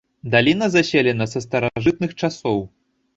Даліна заселена са старажытных часоў.